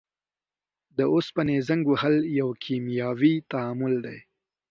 د اوسپنې زنګ وهل یو کیمیاوي تعامل دی.